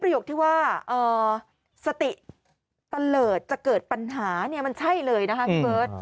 ประโยคที่ว่าสติตะเลิศจะเกิดปัญหามันใช่เลยนะฮะเบิร์ต